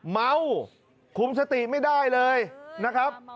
เมาคุมสติไม่ได้เลยนะครับ